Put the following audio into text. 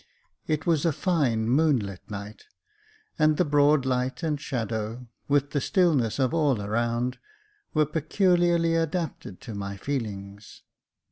It was a fine moonlight night, and the broad light and shadow, with the stillness of all around, were peculiarly adapted to my feelings.